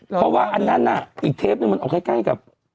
เพราะว่าอันนั้นน่ะอีกเทปนึงมันออกใกล้กับ